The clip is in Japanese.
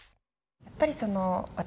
やっぱりその私たち